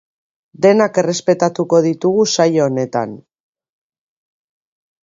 Denak errepasatuko ditugu saio honetan.